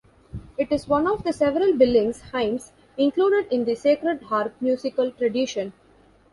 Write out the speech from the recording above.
It is one of several Billings' hymns included in the "Sacred Harp" musical tradition.